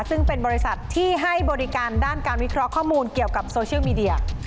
ซึ่งเป็นบริษัทที่ให้บริการด้านการวิเคราะห์ข้อมูลเกี่ยวกับโซเชียลมีเดีย